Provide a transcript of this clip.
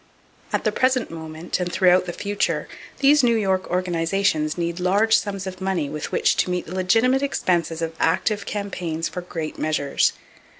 At the present moment, and throughout the future, these New York organizations need large sums of money with which to meet the legitimate expenses of active campaigns for great measures.